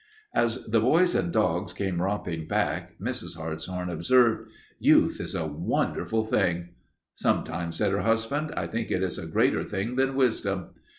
As the boys and dogs came romping back, Mrs. Hartshorn observed, "Youth is a wonderful thing." "Sometimes," said her husband, "I think it is a greater thing than wisdom."